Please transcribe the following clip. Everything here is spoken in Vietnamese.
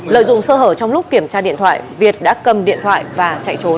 lợi dụng sơ hở trong lúc kiểm tra điện thoại việt đã cầm điện thoại và chạy trốn